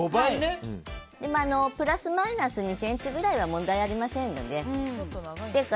プラスマイナス２ｃｍぐらいは問題ありませんので。